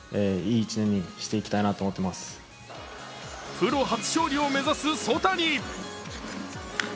プロ初勝利を目指す曽谷。